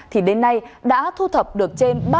thì đến nay đã thu thập được trên